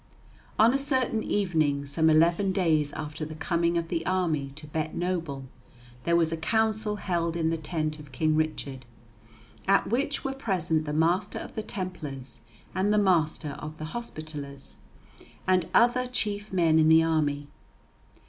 On a certain evening, some eleven days after the coming of the army to Beitenoble, there was a council held in the tent of King Richard, at which were present the Master of the Templars and the Master of the Hospitallers, and other chief men in the army.